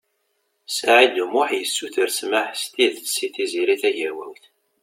Saɛid U Muḥ yessuter smeḥ stidet i Tiziri Tagawawt.